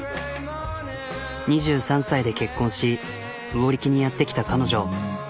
２３歳で結婚し魚力にやって来た彼女。